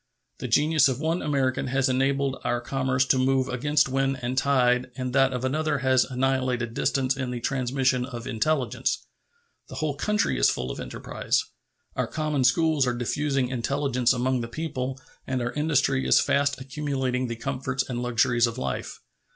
The genius of one American has enabled our commerce to move against wind and tide and that of another has annihilated distance in the transmission of intelligence. The whole country is full of enterprise. Our common schools are diffusing intelligence among the people and our industry is fast accumulating the comforts and luxuries of life.